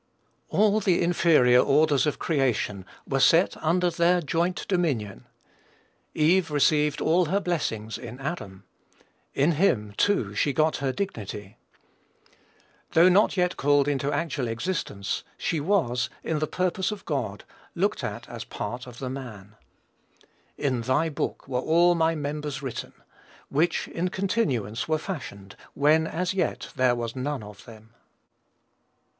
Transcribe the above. All the inferior orders of creation were set under their joint dominion. Eve received all her blessings in Adam. In him, too, she got her dignity. Though not yet called into actual existence, she was, in the purpose of God, looked at as part of the man. "In thy book were all my members written, which, in continuance were fashioned, when as yet there was none of them."